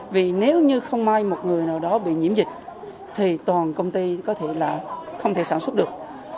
vì nếu như không may một người nào đó bị nhiễm dịch thì toàn công ty có thể là không thể sản xuất được